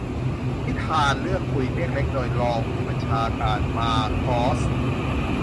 นิทานเรื่อง "เมฆปุยเล็ก" โดยรองผู้บัญชาการมาร์กอส